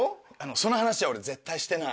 その話は俺絶対してない。